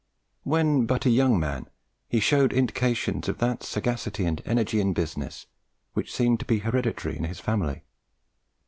When but a young man, he showed indications of that sagacity and energy in business which seemed to be hereditary in his family.